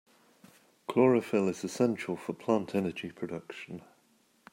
Chlorophyll is essential for plant energy production.